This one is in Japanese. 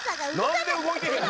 なんで動いてへん。